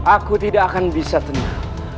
aku tidak akan bisa tenang